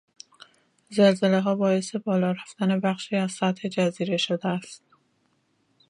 زلزلهها باعث بالا رفتن بخشی از سطح جزیره شده است.